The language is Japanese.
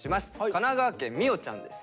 神奈川県みおちゃんです。